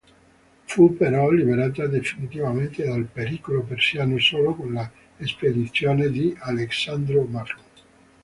Fu però liberata definitivamente dal pericolo persiano solo con la spedizione di Alessandro Magno.